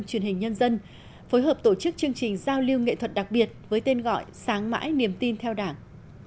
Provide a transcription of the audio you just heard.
truyền hình nhân dân phối hợp tổ chức chương trình giao lưu nghệ thuật đặc biệt với tên gọi sáng mãi niềm tin theo đảng